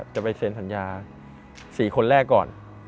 จะไปเซ็นสัญญา๔คนแรกก่อน